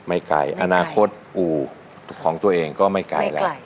ไม่ไกลอนาคตปู่ของตัวเองก็ไม่ไกลแล้ว